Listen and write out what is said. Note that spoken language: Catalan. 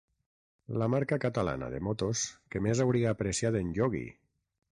La marca catalana de motos que més hauria apreciat en Iogui.